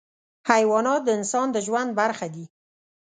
حیوانات د انسان د ژوند برخه دي.